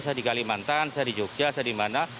saya di kalimantan saya di jogja saya di mana